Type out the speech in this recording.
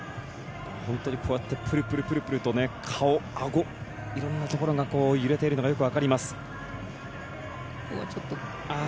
本当にプルプルプルと顔、あごいろんなところが揺れているのがよくわかります。